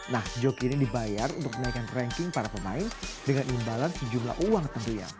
nah joki ini dibayar untuk menaikkan ranking para pemain dengan imbalan sejumlah uang tentunya